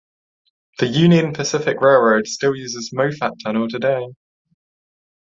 The Union Pacific Railroad still uses Moffat Tunnel today.